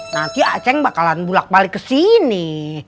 nanti aceh bakalan bulat balik kesini